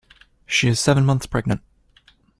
She is seven months pregnant.